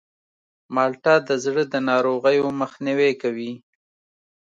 مالټه د زړه د ناروغیو مخنیوی کوي.